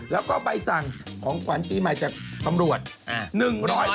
แล้วก็ใบสั่งของขวานปีใหม่จากกำรวจ๑๐๐บาท